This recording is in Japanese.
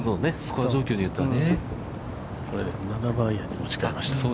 ◆これ、７番アイアンに持ちかえました。